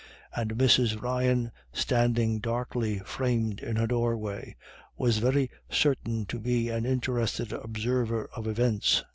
And Mrs. Ryan, standing darkly framed in her doorway, was very certain to be an interested observer of events.